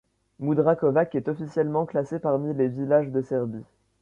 Mudrakovac est officiellement classé parmi les villages de Serbie.